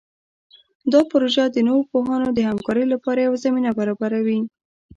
دا پروژه د نوو پوهانو د همکارۍ لپاره یوه زمینه برابروي.